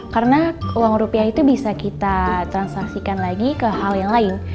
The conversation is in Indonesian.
karena uang rupiah itu bisa kita transaksikan lagi ke hal yang lain